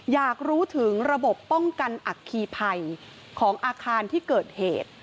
อยากรู้ถึงระบบป้องกันอัคคีภัยของอาคารที่เกิดเหตุ